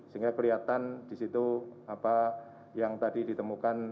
sehingga kelihatan di situ apa yang tadi ditemukan